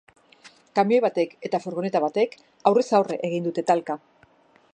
Kamioi batek eta furgoneta batek aurrez aurre egin dute talka.